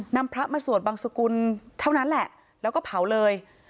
พระมาสวดบังสกุลเท่านั้นแหละแล้วก็เผาเลย